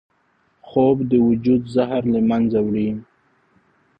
خوب د وجود زهر له منځه وړي